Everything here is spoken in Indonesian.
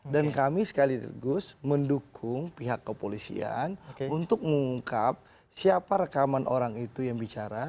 dan kami sekaligus mendukung pihak kepolisian untuk mengungkap siapa rekaman orang itu yang bicara